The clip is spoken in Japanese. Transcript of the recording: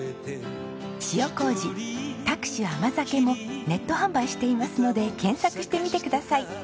塩糀各種甘酒もネット販売していますので検索してみてください。